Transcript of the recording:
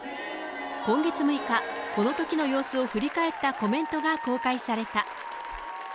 今月６日、このときのことを振り返ったコメントが公開された。